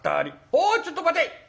「おいちょっと待て！